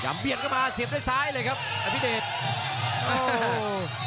จำเบียนขึ้นมาเสียบด้วยซ้ายเลยครับอภิเดต